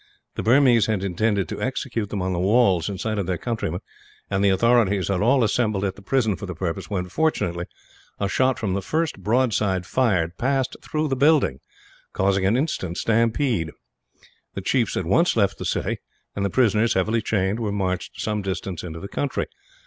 The Burmese had intended to execute them on the walls, in sight of their countrymen; and the authorities had all assembled at the prison for the purpose when, fortunately, a shot from the first broadside fired passed through the building, causing an instant stampede. The chiefs at once left the city; and the prisoners, heavily chained, were marched some distance into the country.